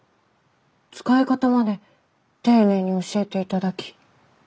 使い方まで丁寧に教えて頂き。